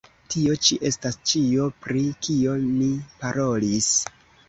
Tio ĉi estas ĉio, pri kio ni parolis.